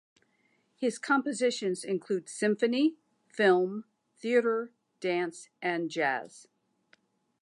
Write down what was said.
His compositions include symphony, film, theater, dance and jazz.